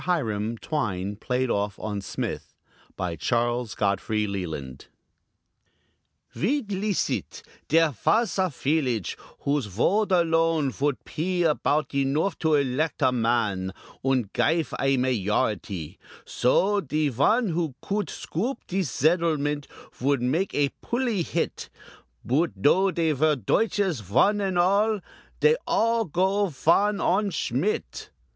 HIRAM TWINE "PLAYED OFF" ON SMITH BY CHARLES GODFREY LELAND VIDE LICET: Dere vas a fillage Whose vode alone vouldt pe Apout enoof to elegdt a man, Und gife a mayority; So de von who couldt scoop dis seddlement Vould make a pully hit; Boot dough dey vere Deutschers, von und all, Dey all go von on Schmit.